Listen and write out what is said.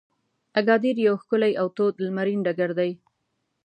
اګادیر یو ښکلی او تود لمرین ډګر دی.